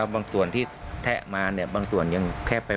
แล้วบางส่วนที่แทะมาเนี่ยบางส่วนยังแค่ไปปลาย